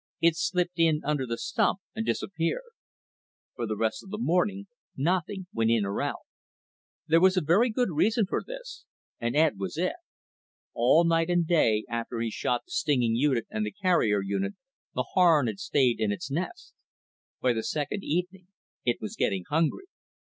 It slipped in under the stump and disappeared. For the rest of the morning, nothing went in or out. There was a very good reason for this, and Ed was it. All night and day after he shot the stinging unit and the carrier unit, the Harn had stayed in its nest. By the second evening, it was getting hungry.